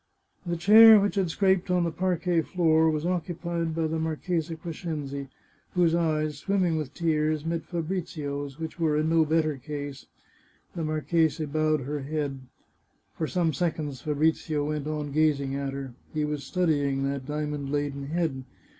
The chair which had scraped on the parquet floor was occupied by the Marchesa Crescenzi, whose eyes, swimming with tears, met Fabrizio's, which were in no better case. The marchesa bowed her head. For some seconds Fabrizio went on gaz ing at her. He was studying that diamond laden head.